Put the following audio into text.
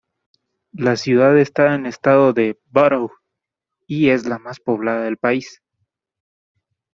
La ciudad está en estado de Borough, y es la más poblada del país.